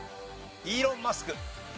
イーロン・マスク。